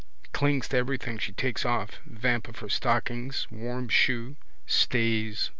Clings to everything she takes off. Vamp of her stockings. Warm shoe. Stays.